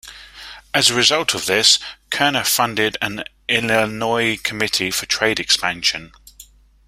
As a result of this, Kerner funded an Illinois Committee for Trade Expansion.